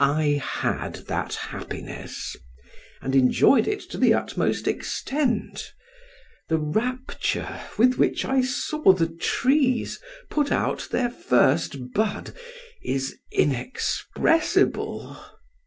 I had that happiness, and enjoyed it to the utmost extent. The rapture with which I saw the trees put out their first bud, is inexpressible!